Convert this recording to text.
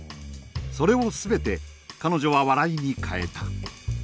それを全て彼女は笑いに変えた。